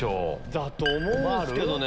だと思うんすけどね。